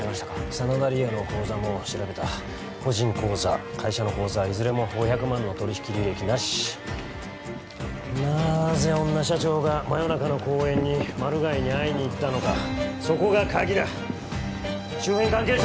真田梨央の口座も調べた個人口座会社の口座いずれも５００万の取引履歴なしなぜ女社長が真夜中の公園にマル害に会いに行ったのかそこが鍵だ周辺関係者